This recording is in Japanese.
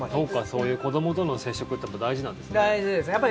そういう子どもとの接触って大事ですね。